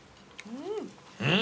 うん。